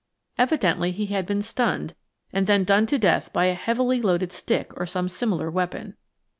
Evidently he had been stunned, and then done to death by a heavily loaded stick or some similar weapon.